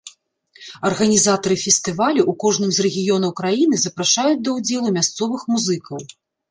Арганізатары фестывалю ў кожным з рэгіёнаў краіны запрашаюць да ўдзелу мясцовых музыкаў.